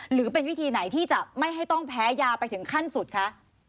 หรือเป็นวิธีไหนที่จะไม่ให้ต้องแพ้ยาไปถึงขั้นสุดคะ